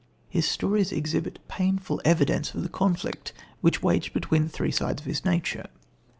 His stories exhibit painful evidence of the conflict which waged between the three sides of his nature.